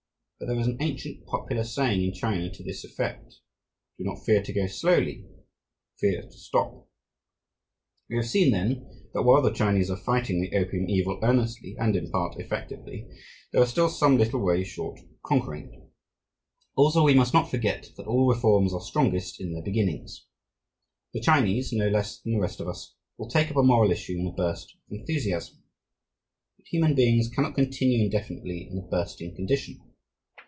But there is an ancient popular saying in China to this effect, "Do not fear to go slowly; fear to stop." We have seen, then, that while the Chinese are fighting the opium evil earnestly, and in part effectively, they are still some little way short of conquering it. Also, we must not forget, that all reforms are strongest in their beginnings. The Chinese, no less than the rest of us, will take up a moral issue in a burst of enthusiasm. But human beings cannot continue indefinitely in a bursting condition.